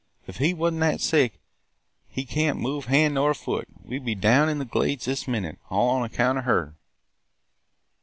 If he wa' n't that sick he can't move hand nor foot, we 'd be down in the Glades this minute, all on account o' her!'